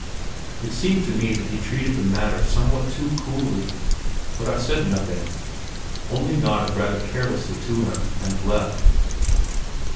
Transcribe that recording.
It seemed to me that he treated the matter somewhat too coolly; but I said nothing, only nodded rather carelessly to him, and left.